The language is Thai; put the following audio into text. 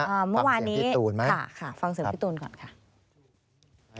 ฟังเสียงพี่ตูนไหมฟังเสียงพี่ตูนก่อนค่ะ